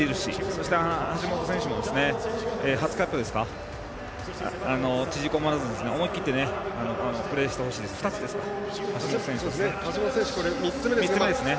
そして橋本選手も初キャップで縮こまらずに思い切ってプレーしてほしいですね。